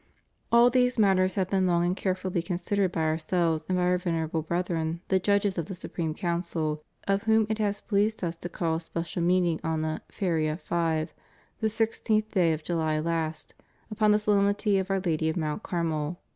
All these matters have been long and carefully con sidered by Ourselves and by Our Venerable Brethren, the Judges of the Supreme Council, of whom it has pleased Us to call a special meeting on the ''Feria V." the 16th day of July last, upon the solemnity of Our Lady of Mount Carmel.